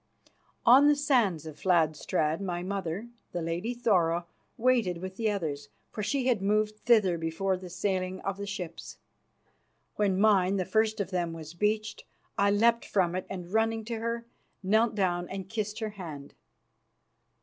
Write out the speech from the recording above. On the sands of Fladstrand my mother, the lady Thora, waited with the others, for she had moved thither before the sailing of the ships. When mine, the first of them, was beached, I leapt from it, and running to her, knelt down and kissed her hand.